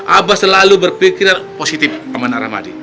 aba selalu berpikiran positif sama nara mahdi